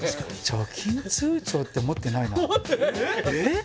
貯金通帳って持ってないんですかえっ